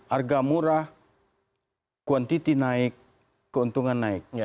harga murah kuantiti naik keuntungan naik